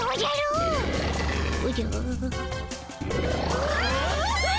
うわ！